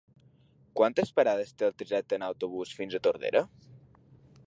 Quantes parades té el trajecte en autobús fins a Tordera?